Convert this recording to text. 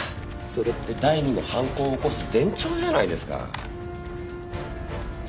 それって第２の犯行を起こす前兆じゃないですか。